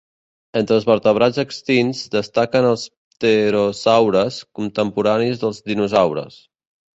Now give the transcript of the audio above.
Entre els vertebrats extints, destaquen els pterosaures, contemporanis dels dinosaures.